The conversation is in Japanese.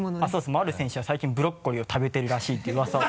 丸選手は最近ブロッコリーを食べてるらしいていうウワサを。